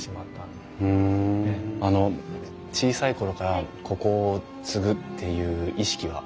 小さい頃からここを継ぐっていう意識は？